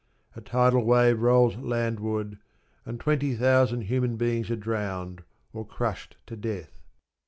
A tidal wave rolls landward, and twenty thousand human beings are drowned, or crushed to death.